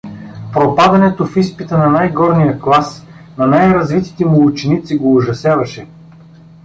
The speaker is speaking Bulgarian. Пропадането в изпита на най-горния клас, на най-развитите му ученици, го ужасяваше.